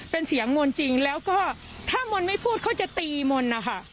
เป็นเสียงมนต์จริงแล้วก็ถ้ามนต์ไม่พูดเขาจะตีมนต์นะคะ